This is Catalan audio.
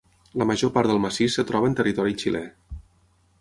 La major part del massís es troba en territori xilè.